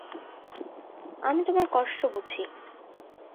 আমি তোমার কষ্ট বুঝি।